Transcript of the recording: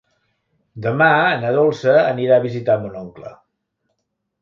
Demà na Dolça anirà a visitar mon oncle.